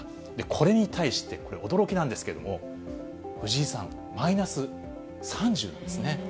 これに対して、これ、驚きなんですけれども、藤井さん、マイナス３０なんですね。